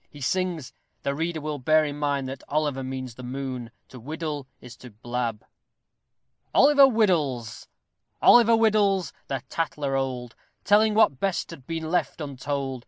he sings. The reader will bear in mind that Oliver means the moon to "whiddle" is to blab. OLIVER WHIDDLES! Oliver whiddles the tattler old! Telling what best had been left untold.